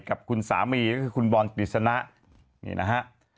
กับคุณสามีคุณบอลดิสนะนี่นะครับ